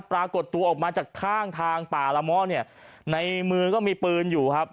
ปรากฏตัวออกมาจากข้างทางป่าละม้อเนี่ยในมือก็มีปืนอยู่ครับ